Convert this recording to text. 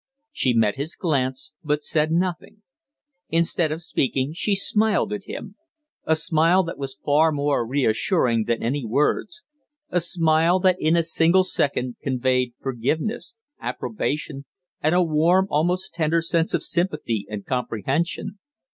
She met his glance, but said nothing. Instead of speaking she smiled at him a smile that was far more reassuring than any words, a smile that in a single second conveyed forgiveness, approbation, and a warm, almost tender sense of sympathy and comprehension.